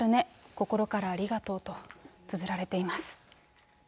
心からありがとうとつづられています。